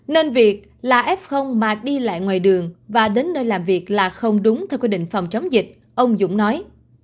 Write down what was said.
nên việc là f mà đi lại ngoài đường và đến nơi làm việc là không đúng theo quy định phòng chống dịch ông dũng nói